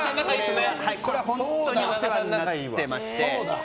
これは本当にお世話になってまして。